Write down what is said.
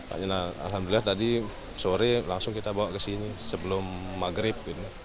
alhamdulillah tadi sore langsung kita bawa ke sini sebelum maghrib